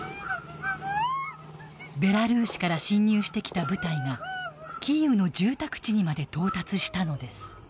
ベラルーシから侵入してきた部隊がキーウの住宅地にまで到達したのです。